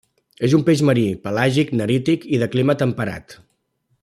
És un peix marí, pelàgic-nerític i de clima temperat.